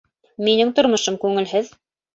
Минең тормошом күңелһеҙ.